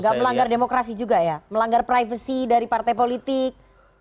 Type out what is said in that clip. gak melanggar demokrasi juga ya melanggar privasi dari partai politik